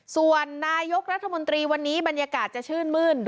ส่วนนายกรัฐมนตรีวันนี้บรรยากาศจะชื่นมื้น